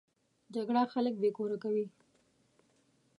جګړه خلک بې کوره کوي